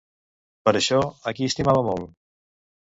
Per això, a qui estimava molt?